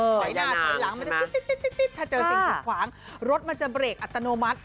หน่อยหลังถ้าเจอสิ่งขวางรถมันจะเบรกอัตโนมัติ